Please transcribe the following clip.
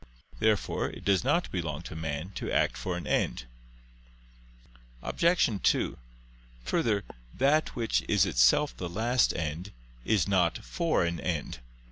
Therefore it does not belong to man to act for an end. Obj. 2: Further, that which is itself the last end is not for an end.